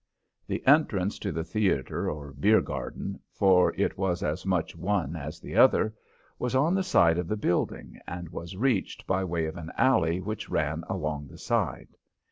The entrance to the theater or beer garden for it was as much one as the other was on the side of the building, and was reached by way of an alley which ran along the side.